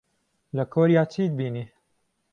لە کۆریا چیت بینی؟